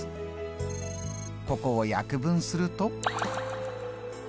ここを約分すると。